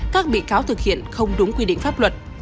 các bị cáo thực hiện không đúng quy định pháp luật